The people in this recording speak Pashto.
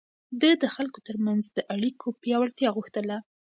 ده د خلکو ترمنځ د اړيکو پياوړتيا غوښتله.